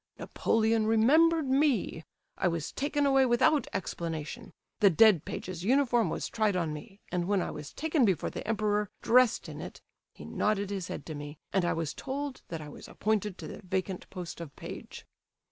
Napoleon remembered me; I was taken away without explanation; the dead page's uniform was tried on me, and when I was taken before the emperor, dressed in it, he nodded his head to me, and I was told that I was appointed to the vacant post of page.